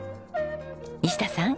西田さん。